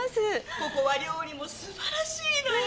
ここは料理も素晴らしいのよ。